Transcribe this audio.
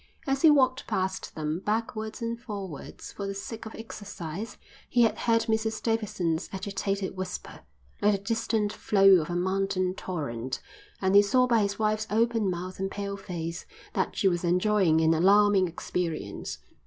As he walked past them backwards and forwards for the sake of exercise, he had heard Mrs Davidson's agitated whisper, like the distant flow of a mountain torrent, and he saw by his wife's open mouth and pale face that she was enjoying an alarming experience.